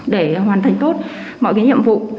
để hoàn thành tốt mọi cái nhiệm vụ